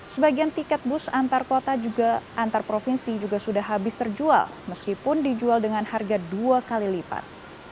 sebagian tiket bus antar kota juga antar provinsi juga sudah habis terjual meskipun dijual dengan harga dua kali lipat